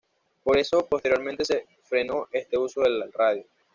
Por eso posteriormente se frenó este uso del radio.